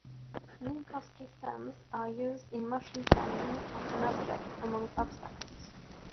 Minkowski sums are used in motion planning of an object among obstacles.